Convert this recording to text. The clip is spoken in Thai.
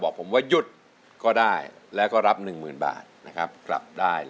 ขุนรัมพันครับ